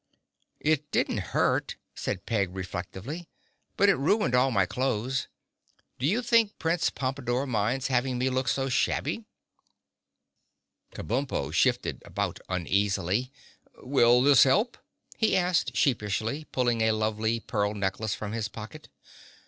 "It didn't hurt," said Peg reflectively, "but it ruined all my clothes. Do you think Prince Pompadore minds having me look so shabby?" [Illustration: (unlabelled)] Kabumpo shifted about uneasily. "Will this help?" he asked sheepishly, pulling a lovely pearl necklace from his pocket.